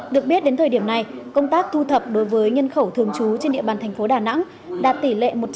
được biết đến thời điểm này công tác thu thập đối với nhân khẩu thường trú trên địa bàn thành phố đà nẵng đạt tỷ lệ một trăm linh